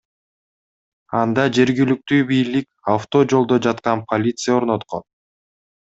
Анда жергиликтүү бийлик авто жолдо жаткан полиция орноткон.